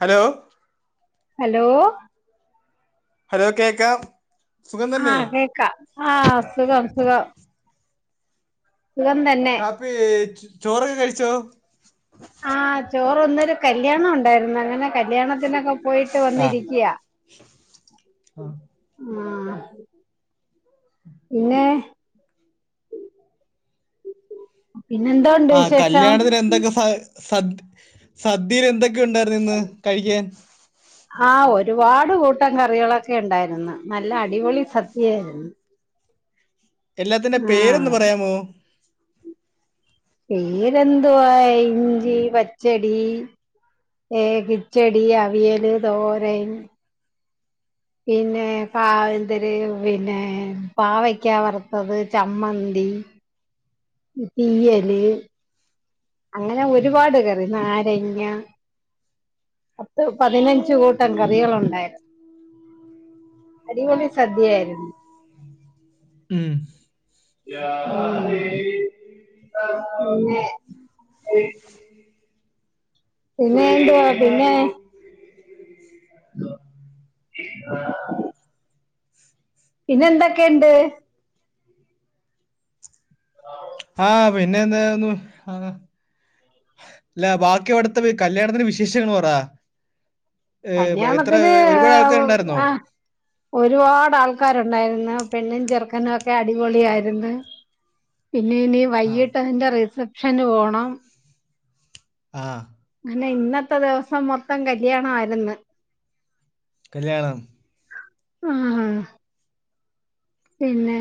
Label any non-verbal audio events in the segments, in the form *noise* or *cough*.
Hello hello hello കേക്കാം സുഖം തന്നെ ആഹ് കേക്കാം ആഹ് സുഖം സുഖം സുഖം തന്നെ. വേ ചോറൊക്കെ കഴിച്ചോ ആഹ് ചോർന്നൊരൂ കല്യാണം ഉണ്ടായിരുന്നു അങ്ങനെ കല്യാണത്തിനൊക്കെ പോയിട്ട് ആഹ് വന്നിരിക്യാ ആഹ് ആഹ് പിന്നെ പിന്നെ എന്തൊട് ആഹ് കല്യാണത്തിന് എന്തൊക്കെ സ സദ് സദ്യേൽ എന്തൊക്കെയുണ്ടായിരുന്നു ഇന്ന് കഴിക്കാൻ? ആഹ് ഒരുപാട് കൂട്ടം കറികളൊക്കെണ്ടായിരുന്ന് നല്ല അടിപൊളി സദ്യയാരുന്ന് എല്ലാത്തിന്റെ പേരൊന്ന് ആഹ് പറയാമോ? പേരെന്തുവാ ഇഞ്ചി പച്ചടി ഏ കിച്ചെടി അവിയല് തോരൻ പിന്നെ പ എന്തര് പിന്നെ പാവയ്ക്കാ വറുത്തത് ചമ്മന്തി. തീയല് അങ്ങനെ ഒരുപാട് കറി നാരങ്ങ പത്ത് പതിനഞ്ച് കൂട്ടം കറികളുണ്ടായിരുന്നു. അടിപൊളി സദ്യയായിരുന്നു. ഉം മ് പിന്നെ പിന്നെ എന്തുവാ പിന്നെ ആഹ് പിന്നെ എന്തൊക്കെയ്ണ്ട് ആഹ് പിന്നെ എന്തായ്രുന്നു ആഹ് ല്ല ബാക്കി അവിടുത്തെ കല്യാണത്തിന് വിശേഷങ്ങൾ പറാ കല്യാണത്തില് ഒരുപാട് ആൾക്കാരുണ്ടായിരുന്നോ ആഹ് ഒരുപാട് ആൾക്കാരുണ്ടായിരുന്ന് പെണ്ണും ചെറുക്കനും ഒക്കെ അടിപൊളിയായിരുന്ന് പിന്നെ ഇനി വൈകീട്ട് അതിന്റെ റിസപ്ഷന് പോണം. ആഹ് അനെ ഇന്നത്തെ ദിവസം മൊത്തം കല്യാണവായിരുന്ന്. കല്യാണം ആഹ് പിന്നെ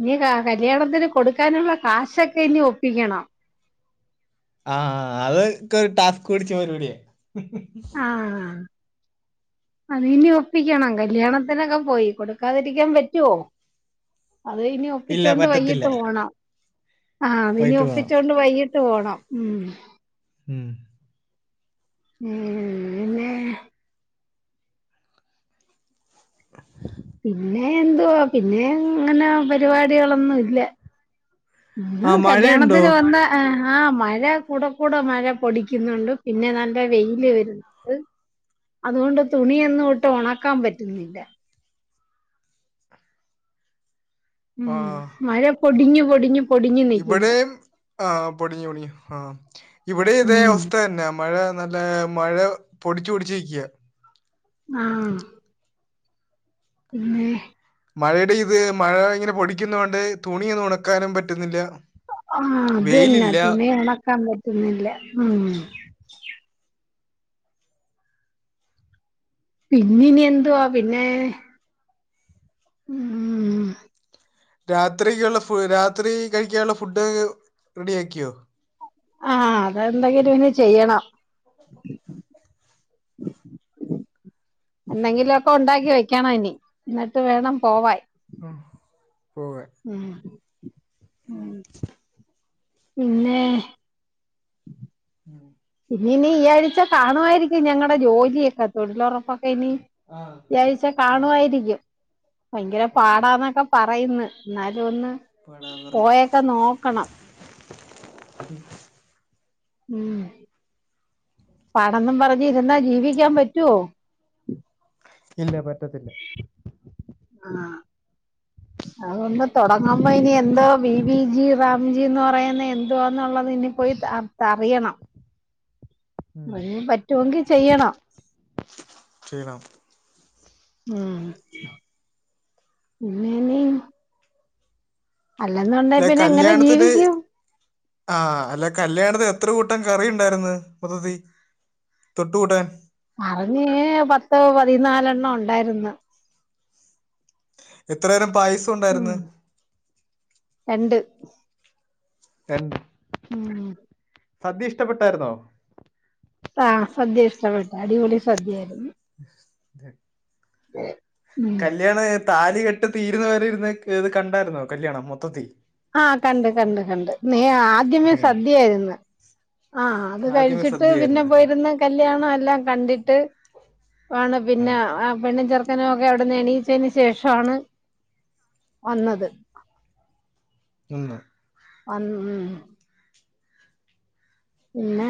ഇനി കാ കല്യാണത്തിന് കൊടുക്കാനുള്ള കാശൊക്കെ ഇനി ഒപ്പിക്കണം ആഹ് അതൊക്കേ ടാസ്ക് പിടിച്ച പരിപടിയ ആ അത് ഇനി ഒപ്പിക്കണം കല്യാണത്തിനൊക്കെ പോയി കൊടുക്കാതിരിക്കാൻ പറ്റുവോ? അത് ഇനി ഇല്ല ഒപ്പിച്ചൊണ്ട് വൈകിട്ട് പറ്റത്തില്ല പോണം ആഹ് ഇനി പോയിട്ട് വേണം ഒപ്പിച്ചൊണ്ട് വൈകിട്ട് പോണം ഉം ഉം മ് പിന്നെ പിന്നെ എന്തുവാ പിന്നെ അങ്ങനെ പരിപാടികളൊന്നും ഇല്ല മ് ആ മഴയുണ്ടോ കല്യാണത്തിന് വന്ന ആഹ് ഹാ മഴ കൂടെ കൂടെ മഴ പൊടിക്കുന്നുണ്ട് പിന്നെ നല്ല വെയില് വരുന്നു അതുകൊണ്ട് തുണിയൊന്നും ഇട്ട് ഒണക്കാൻ പറ്റുന്നില്ല ഉം ആ മഴ പൊടിഞ്ഞ് പൊടിഞ്ഞ് ഇവിടെയും ആഹ് പൊടിഞ്ഞ് പൊടിഞ്ഞ് ആഹ് ഇവിടെയും ഇതേ ഉം അവസ്ഥ തന്നെയ മഴ നല്ല മഴ പൊടിച്ചുപൊടിച്ച് നിക്ക്യാ ആഹ് പിന്നെ മഴയുടെ ഇത് മഴ ഇങ്ങനെ പൊടിക്കുന്നോണ്ട് തുണിയൊന്ന് ഉണക്കാനും പറ്റുന്നില്ല ആഹ് അത്ന്നെ വെയിലില്ല തുണി ഒണക്കാൻ പറ്റുന്നില്ല മ് പിന്ന ഇനി എന്തുവാ പിന്നെ ഉം രാത്രിക്കുള്ള ഫു രാത്രി കഴിക്കാനുള്ള ഫുഡ് റെഡിയാക്കിയോ ആഹ് അതെന്തെങ്കിലും ഇനി ചെയ്യണം എന്തെങ്കിലൊക്കെ ഉണ്ടാക്കി വെക്കണം ഇനി ഇന്നട്ട് വേണം പോവാൻ മ് പോവാൻ മ് ഉം പിന്നെ ഉം. പിന്നെ ഇനി ഈ ആഴ്ച കാണുവായിരിക്കും ഞങ്ങടെ ജോലിയൊക്കെ തൊഴിലൊറപ്പൊക്കെ ഇനി ആ ഒരാഴ്ച ആ കാണുവായിരിക്കും ഭയങ്കര ആ പാടാന്നൊക്കെ പറയുന്നു എന്നാലും ഒന്ന് പോടാന്ന് പറയും. പോയൊക്കെ നോക്കണം. *inaudible* ഉം പറന്നു ന പറഞ്ഞ് ഇരുന്നാ ജീവിക്കാൻ പറ്റുവോ ഇല്ല പറ്റത്തില്ല ആഹ *inaudible* അതൊന്ന് തൊടങ്ങുമ്പോ ഇനി എന്തോ ബി ബി ജി റാംജിന്ന് പറയുന്നത് എന്തോന്നുള്ളത് ഇനി പോയി സ തറിയണം മ് പറ്റോങ്കി ചെയ്യണം ചെയണോ ഉം പിന്നെ ഇനി അല്ലെന്നുണ്ടെങ്കി അല്ല പിന്നെ എങ്ങനെ ജീവിക്കും ആഹ അല്ല കല്യാണത്തിനെത്ര കൂട്ടം കറി ഇണ്ടായിരുന്ന് മൊത്തത്തി തൊട്ട്കൂട്ടാൻ അറിഞ്ഞു പത്ത് പതിനാലെണ്ണം ഉണ്ടായിരുന്നു എത്ര തരം പായസം ഉണ്ടായിരുന്നു മ്മ് രണ്ട് രണ്ട് ഉം സദ്യ ഇഷ്ടപ്പെട്ടായിരുന്നോ? ആഹ സദ്യ ഇഷ്ടപ്പെട്ട് അടിപൊളി സദ്യായിയിരുന്നു. *unintelligible* *unintelligible* കല്യാണം താലി കെട്ട് തീരുന്ന വരെ ഇരുന്ന് കണ്ടായിരുന്നോ കല്യാണം മൊത്തത്തിൽ ആഹ കണ്ട് കണ്ട് കണ്ട് നീ ആദ്യമേ കണ്ട് കണ്ട് സദ്യയായിരുന്നു ആഹ അത് ആദ്യമേ കഴിച്ചിട്ട് സദ്യയായിരുന്നു പിന്നെ ആഹ് പോയിരുന്ന് കല്യാണം എല്ലാം കണ്ടിട്ട് ആണ് പിന്നെ ആ പെണ്ണും ഗർ ക്കനുംഒക്കെ അവിടെന്ന് എണീയിച്ചതിന് ശേഷാണ് വന്നത് മ്മ് ന്ന് അൻമ്മ് പിന്നെ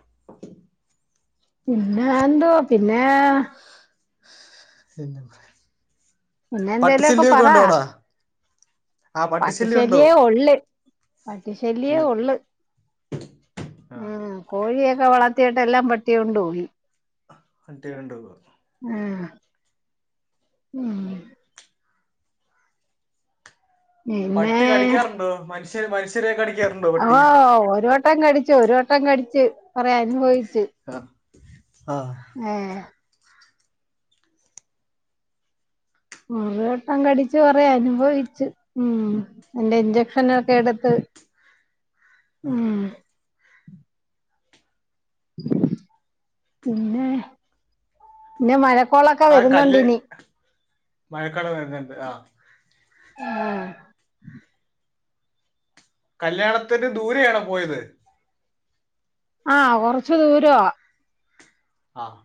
*unintelligible* പിന്നെ എന്തൊ പിന്നേ പിന്നെ *inaudible* എന്തേലുമൊക്കെ പട്ടിച്ചല്ലയൊക്കെ പറ ഉണ്ടോ അവിടാ പട്ടിശല്യേ ഒള്ള് പട്ടിശല്ലിയേ ഇല്ല ഒള്ള് ആഹ് മ്മ് കോഴിയൊക്കെ വളർത്തിയിട്ട് എല്ലാം പട്ടികൊണ്ട് പോയി പട്ടി കൊണ്ടോവൊ ആഹ ഉം പിന്നെ പട്ടി കടിക്കാറുണ്ടോ മനുഷ്യൻ മനുഷ്യരെ കടിക്കാറുണ്ടോ പട്ടി ആഹ ഒരു വട്ടം വട്ടം കടിച്ച് ഒരു വട്ടം കടിച്ച് കൊറേ അനുഭവിച്ച് അ ആഹ ഏ ഒരു വട്ടം കടിച്ച് കൊറേ അനുഭവിച്ച് ഉം അയ്ൻ്റെ ഇഞ്ചക്ഷനൊക്കെ എടുത്ത് ആഹ ഉം പിന്നേ പിന്നെ മഴക്കോളൊക്കെ വരുന്നുണ്ടിനി മഴക്കാള് വരുന്നുണ്ട് ആഹ് ആഹ് കല്യാണത്തിന് ദൂരെയാണോ പോയത്? ആഹ് കൊറച്ച് ദൂരവാ ആഹ്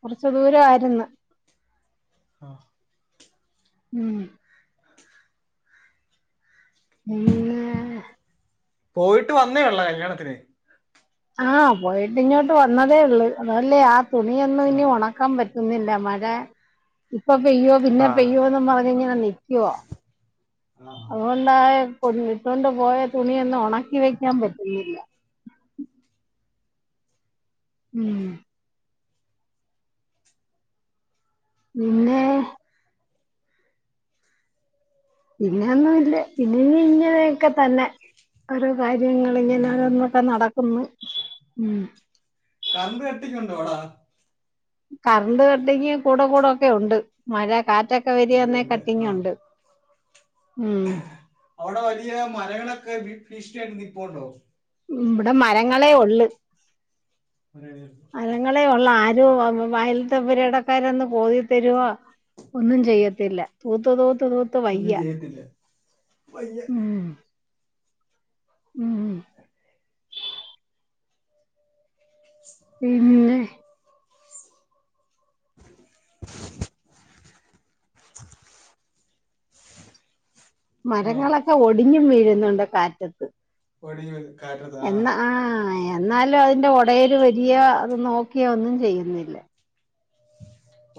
കൊറച്ച് ദൂരവായിരുന്ന്. ആഹ് ഉം പിന്നെ *unintelligible* പോയിട്ട് വന്നേയൊള്ളോ കല്യാണത്തിന്. ആഹ് പോയിട്ട് ഇങ്ങ്യോട്ട് വന്നതേ ഉള്ളു അതല്ലേ ആ തുണിയൊന്നും ആ ഇനി ഒണ ക്കാൻ പറ്റുന്നില്ല മഴ ഇപ്പം പെയ്യോ പിന്നെ ആ പെയ്യോന്നും പറഞ്ഞിങ്ങനെ നി ക്കുവാ. ആ അതോൺ ണ്ടായ ഇട്ടോണ്ട് പോയ തുണിയൊന്നും ഒണക്കി വെക്കാൻ പറ്റുന്നില്ല. ഉം പിന്നെ പിന്നൊന്നും ഇല്ല ഇനിയി ങ്ങനെയൊക്കെ തന്നെ ഓരോ പിന്നെ ഇത് കാര്യങ്ങളിങ്ങനെയോരോന്നൊക്കെ നടക്കുന്ന്. ഉം കറണ്ട് കട്ടിങ്ങ്യുണ്ടൊവട? കറണ്ട് കട്ടിങ്ങ് കൂടെ കൂടെ ഒക്കെ ഉണ്ട് മഴ കാറ്റൊക്കെ വരാന്നേ ഉണ്ട് ആ കട്ടിങ്ങ്യുണ്ട്. ഉം അവിടെ വലിയ മലകളൊക്കെ ഭി ഭീഷണിയായിട്ട് നിപ്പോണ്ടോ? ഉം ഇബടെ മരങ്ങളേ ഒള്ള്. *unintelligible* ങ്ങളെ ഒള്ള്. ആരും വ വ വ വയല്ത്തെ പെരിയിടക്കാരൊന്ന് പോയി തരുവോ ഒന്നും ചെയ്യത്തില്ല തൂത്ത് തൂത്ത് തൂത്ത് ഒന്നും വയ്യ. ചെയ്യത്തില്ല വയ്യ ഉം ഉം *inaudible* പിന്നെ *inaudible* *inaudible* ആ മരങ്ങളൊക്കെ ഒടിഞ്ഞും വീഴുന്നുണ്ട് കാറ്റത്ത്. ഒടിഞ്ഞ് വീഴും കാറ്റത്ത് ആഹ് എന്നാ ആ എന്നാലും അതിന്റെ ഉടയര് വരിയോ അത് നോക്കിയോ ഒന്നും ചെയ്യുന്നില്ല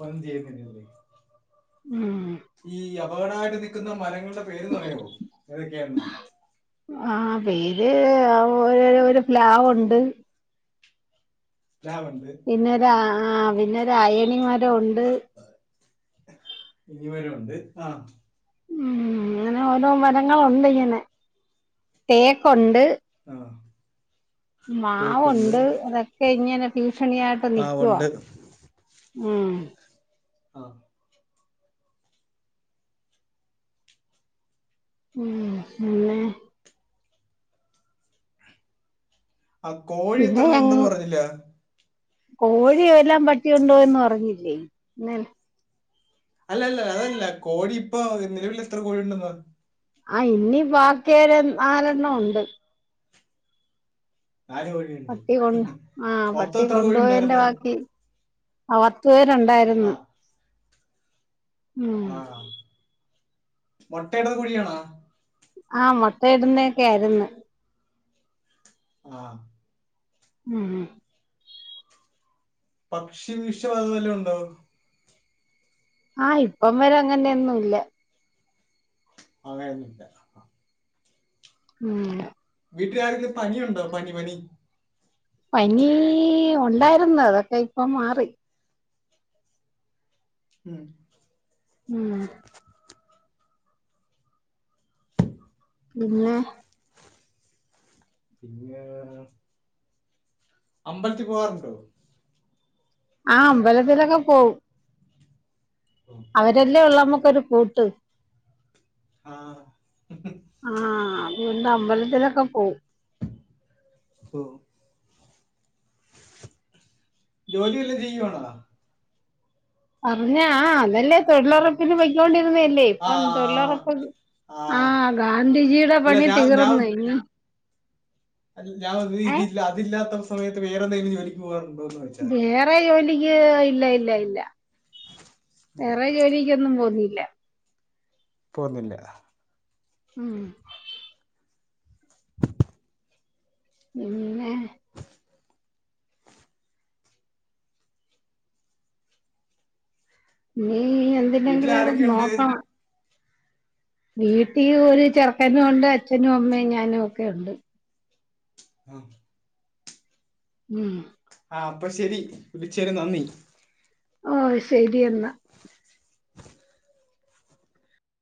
ഒഹ് അ ഒന്നും ചെയ്യത്തില്ലയോ ഉവ്വേ ആഹ് ഹാ ഈ അപകടമായിട്ട് നിക്കുന്ന മരങ്ങളുടെ പേരൊന്ന് പറയാവോ ഏതൊക്കെയാണ് ന്ന്? ആഹ് പേര് അ ഒരു ഒരു ഒരു പ്‌ലാവുണ്ട്. പ്ലാവുണ്ട് പിന്നൊരാ ആ പിന്നൊരു അയണിമരമുണ്ട്. ഇനി മരമുണ്ട് ആഹ് ഉം അങ്ങനെ ഓരോ മരങ്ങളുണ്ട് ഇങ്ങനെ. തേക്കുണ്ട് ആ തേക്കുണ്ട് മാവുണ്ട് അതൊക്കെ ഇങ്ങനെ ഭീഷണിയായി ട്ട് നിക്കുവാ മാവുണ്ട് ഉം ആഹ് ഉം പിന്നെ ആ കോഴി പിന്നെ എത്രണം ഉണ്ടന്ന് പറഞ്ഞില്ല. കോഴിയെ എല്ലാം പട്ടിയുണ്ടോയി എന്ന് പറഞ്ഞില്ലേ പിന്നെ എന്നാ അല്ലല്ല അതല്ല കോഴി ഇപ്പോ നിലവില് എത്ര കോഴിയുണ്ടെന്ന് പ ആ ഇനി ബാക്കാക്കിയ ഏഴ നാലണ്ണമുണ്ട് നാല് കോഴിയുണ്ട് പട്ടി കൊണ്ട് ആ മൊത്തം എത്ര കോഴി ഉണ്ടായിന്ന് അത്തവേരുണ്ടായിരുന്നു ആഹ് ആഹ മുട്ടയുടെത് കുഴിയണാ ആഹ മുട്ടയിടുന്നൊക്കെ ആയിരുന്നു ആഹ് ഉം ഭക്ഷവിഷ പതതെല്ലാം ഉണ്ടോ ആഹ് ഇപ്പം വരെ അങ്ങനെയൊന്നും ഇല്ല അതെയന്നണ്ട് ഉം വീട്ടിൽ ആർക്കും പനിയുണ്ടോ പനി പനി പനി ഉണ്ടായിരുന്നു അതൊക്കെ ഇപ്പൊ മാറി ഉം ഉം പിന്നെ പിന്നെ അമ്പലത്തിൽ പോകറുണ്ടോ ആ അമ്പലത്തിലൊക്കെ പോവും ഓ അവരെല്ലേ ഉള്ള നമുക്കൊരു കൂട്ട് ആഹ ആഹ് അതുകൊണ്ട് അമ്പലത്തിലൊക്കെ പോകവും ഹോ ജോലിവല്ലോ ചെയ്യുവാണോ? പറഞ്ഞാ ആ അതന്നെ തൊഴിലുറപ്പിന് പോയ്ക്കോണ്ടിരുന്നല്ലേ ഇപ്പം ആഹ് തൊഴിലുറപ്പ് ആഹ് ആഹ ഗാന്ധിജിയുടെ പണി ഞാൻ ഞാൻ തീർന്ന് ഇനി അല്ല ഞാൻ ഏ ഇതില്ല അതില്ലാത്ത സമയത്ത് വേറെ എന്തെങ്കിലും ജോലിക്ക് പോകാറുണ്ടോ എന്ന് പറ വേറെ ജോലിക്ക് ഇല്ല ഇല്ല ഇല്ല ഇല്ല വേറെ ജോലിക്കൊന്നും പോന്നില്ല. പോകുന്നില്ല. ഉം ഉം *inaudible* ഇനി വീട്ടിൽ എന്തിനെങ്കിലുംക്കെ ആരൊക്കെയുണ്ട് നോക്കണം. വീട്ടിൽ ഒരു ചെറുക്കനും ഉണ്ട് അച്ഛനും അമ്മയും ഞാനും ഒക്കെ ഉണ്ട്. ഒക്കെ ഉം ആ അപ്പൊ ശെരി വിളിച്ചേന് നന്ദി. ഓ ശരിയെന്നാ